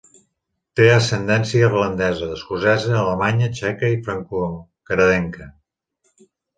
Té ascendència irlandesa, escocesa, alemanya, txeca i francocanadenca.